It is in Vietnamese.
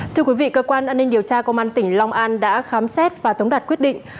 thưa quý vị cơ quan an ninh điều tra công an tỉnh long an đã khám xét và tống đạt quyết định